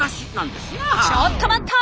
ちょっと待った！